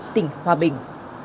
tỉnh hòa bình